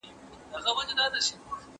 ¬ سر که ولاړ سي، عادت نه ځي.